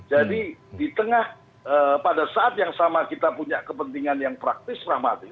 jadi di tengah pada saat yang sama kita punya kepentingan yang praktis dramatis